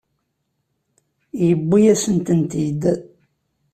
Yewwi-yasent-tent-id.